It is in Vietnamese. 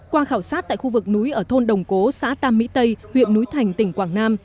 qua khảo sát tại khu vực núi ở thôn đồng cố xã tam mỹ tây huyện núi thành tỉnh quảng nam